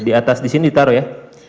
di atas di sini ditaruh ya